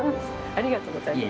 ありがとうございます。